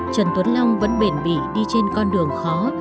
trần tuấn long vẫn bền bỉ đi trên con đường khó